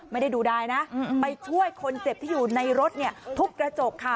ไม่ได้ดูดายนะไปช่วยคนเจ็บที่อยู่ในรถเนี่ยทุบกระจกค่ะ